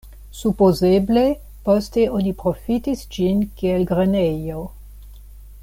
Supozeble poste oni profitis ĝin kiel grenejo.